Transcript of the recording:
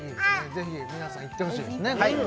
ぜひ皆さん行ってほしいですね